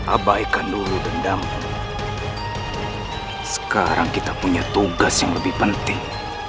abaikan dulu dendam sekarang kita punya tugas yang lebih penting